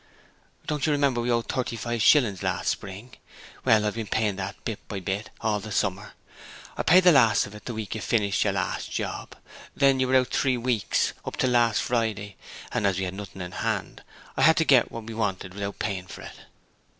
'Don't you remember we owed thirty five shillings last spring? Well, I've been paying that bit by bit all the summer. I paid the last of it the week you finished your last job. Then you were out three weeks up till last Friday and as we had nothing in hand I had to get what we wanted without paying for it.'